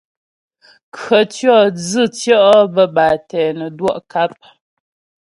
Khətʉɔ̌ dzʉtʉɔ' bə́́ bâ tɛ nə́ dwɔ' kap.